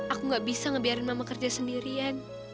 aku gak bisa ngebiarin mama kerja sendirian